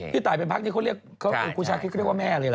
พี่ตายเป็นภาคที่เขาเรียกคุณชาวคุยก็เรียกว่าแม่เลยล่ะ